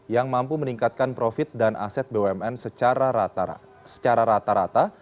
yang mampu meningkatkan profit dan aset bumn secara rata rata